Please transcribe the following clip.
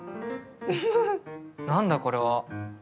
何だこれは？